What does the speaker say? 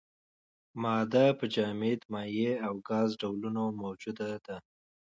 ماده په جامد، مایع او ګاز ډولونو موجوده ده.